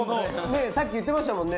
さっき言ってましたもんね。